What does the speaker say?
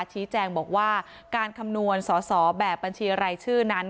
ชี้แจงบอกว่าการคำนวณสอสอแบบบัญชีรายชื่อนั้น